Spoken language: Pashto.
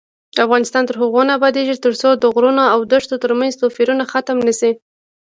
افغانستان تر هغو نه ابادیږي، ترڅو د غرونو او دښتو ترمنځ توپیرونه ختم نشي.